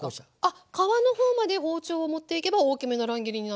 あっ皮の方まで包丁を持っていけば大きめの乱切りになる。